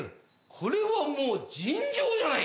これはもう尋常じゃない！